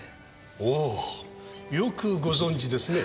おぉよくご存じですね。